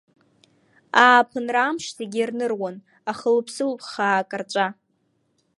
Ааԥынра амш зегьы ирныруан, ахылҩ-ԥсылҩ хаа карҵәа.